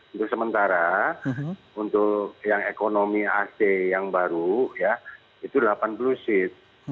untuk sementara untuk yang ekonomi ac yang baru ya itu delapan puluh seat